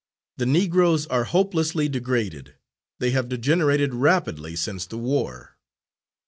The Negroes are hopelessly degraded. They have degenerated rapidly since the war."